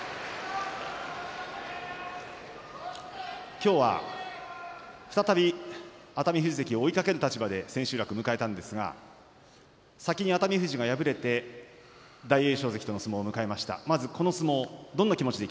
今日は再び、熱海富士関を追いかける立場で千秋楽を迎えたんですが先に熱海富士関が敗れて大栄翔関の相撲を迎えました。